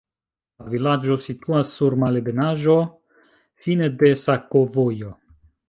La vilaĝo situas sur malebenaĵo, fine de sakovojo.